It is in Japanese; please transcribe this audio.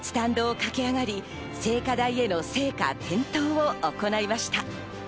スタンドを駆け上がり、聖火への点灯を行いました。